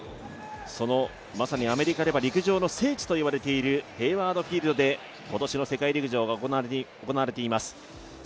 アメリカでは陸上の聖地といわれているヘイワード・フィールドで今年の世界陸上が行われています。